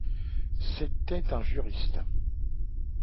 C'était un juriste.